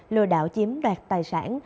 lừa đảo chiếm đoạt tài sản